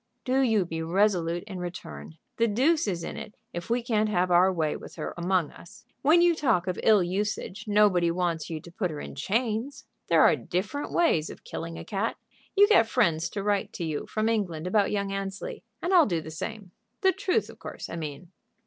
Do you be resolute in return. The deuce is in it if we can't have our way with her among us. When you talk of ill usage nobody wants you to put her in chains. There are different ways of killing a cat. You get friends to write to you from England about young Annesley, and I'll do the same. The truth, of course, I mean."